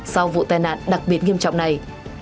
sau vụ tai nạn đặc biệt nghiêm trọng này